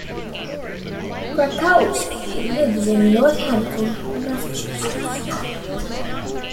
Krakowski lives in Northampton, Massachusetts.